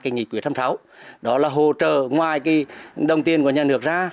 nghị quyết hai mươi sáu đó là hỗ trợ ngoài đồng tiền của nhà nước ra